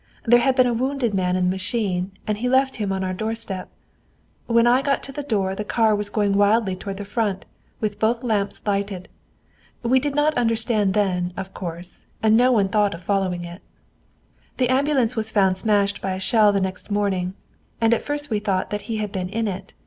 There had been a wounded man in the machine, and he left him on our doorstep. When I got to the door the car was going wildly toward the Front, with both lamps lighted. We did not understand then, of course, and no one thought of following it. The ambulance was found smashed by a shell the next morning, and at first we thought that he had been in it.